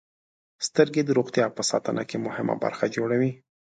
• سترګې د روغتیا په ساتنه کې مهمه برخه جوړوي.